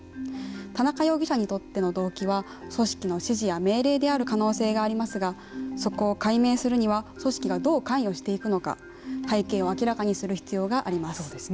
田中容疑者にとっての動機は組織の指示や命令である可能性がありますがそこを解明するには組織がどう関与しているの背景を明らかにする必要があります。